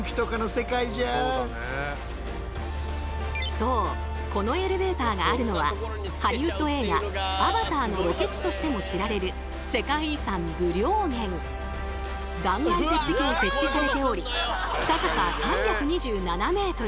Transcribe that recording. そうこのエレベーターがあるのはハリウッド映画「アバター」のロケ地としても知られる断崖絶壁に設置されており高さ３２７ｍ。